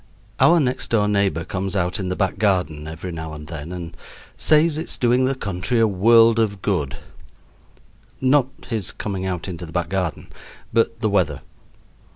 Our next door neighbor comes out in the back garden every now and then and says it's doing the country a world of good not his coming out into the back garden, but the weather.